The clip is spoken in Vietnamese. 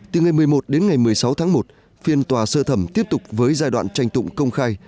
từ ngày một mươi một đến ngày một mươi sáu tháng một phiên tòa sơ thẩm tiếp tục với giai đoạn tranh tụng công khai